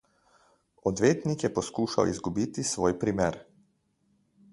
Odvetnik je poskušal izgubiti svoj primer.